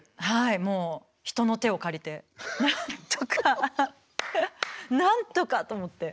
もう人の手を借りてなんとか。なんとかと思って。